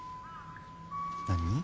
何？